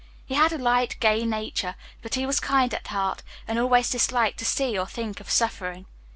He had a light, gay nature, but he was kind at heart, and always disliked to see or think of suffering.